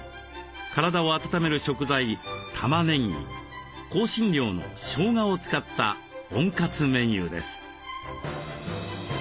体を温める食材たまねぎ香辛料のしょうがを使った温活メニューです。